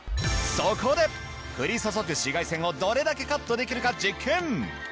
そこで降り注ぐ紫外線をどれだけカットできるか実験。